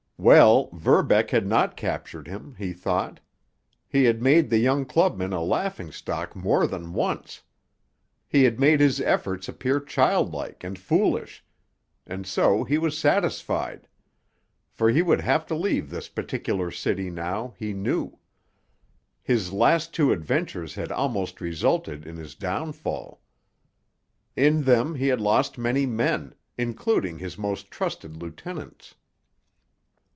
Well, Verbeck had not captured him, he thought. He had made the young clubman a laughingstock more than once. He had made his efforts appear childlike and foolish, and so he was satisfied. For he would have to leave this particular city now, he knew. His last two adventures had almost resulted in his downfall. In them he had lost many men, including his most trusted lieutenants.